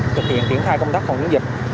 thực hiện tiến thai công tác phòng chống dịch